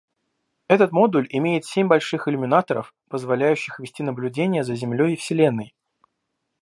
Этот модуль имеет семь больших иллюминаторов, позволяющих вести наблюдение за Землей и Вселенной.